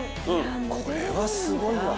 これはすごいわ。